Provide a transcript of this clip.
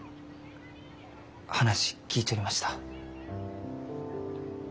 話聞いちょりました。